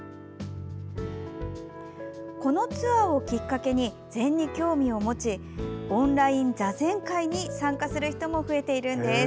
このツアーをきっかけに禅に興味を持ちオンライン座禅会に参加する人も増えているんです。